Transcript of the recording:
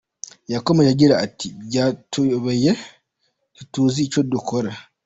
Yakomeje agira ati “Byatuyobeye ntituzi icyo dukora.